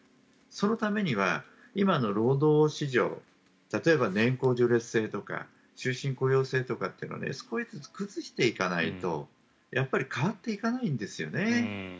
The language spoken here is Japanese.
そのためには今の労働市場例えば年功序列制とか終身雇用制とかって少しずつ崩していかないとやっぱり変わっていかないんですよね。